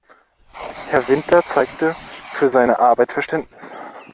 Herr Winter zeigte für seine Arbeit Verständnis.